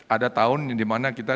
ada tahun di mana kita